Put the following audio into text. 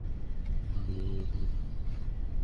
আপনার পরিবারে কেউ থাকে না?